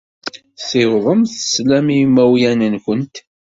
Ssiwḍemt sslam i yimawlan-nwent.